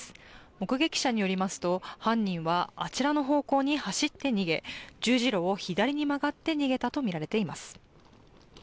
目撃者によりますと、犯人はあちらの方向に走って逃げ十字路を左に曲がって逃げたとみられています。